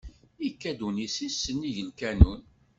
Ikka-d unessis s nnig lkanun.